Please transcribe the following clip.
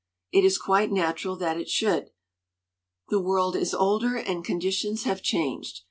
It is quite natural that it should. The world is older and conditions have changed.